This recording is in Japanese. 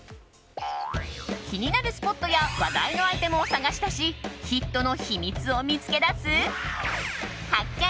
気になるスポットや話題のアイテムを探し出しヒットの秘密を見つけ出す発見！